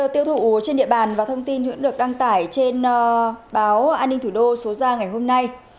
tiêu thụ trên địa bàn và thông tin cũng được đăng tải trên báo an ninh thủ đô số ra ngày hôm nay